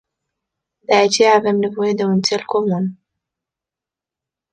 De aceea avem nevoie de un țel comun.